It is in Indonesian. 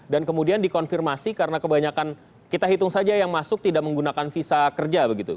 dan kemudian dikonfirmasi karena kebanyakan kita hitung saja yang masuk tidak menggunakan visa kerja begitu